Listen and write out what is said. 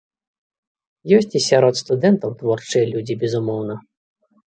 Ёсць і сярод студэнтаў творчыя людзі, безумоўна.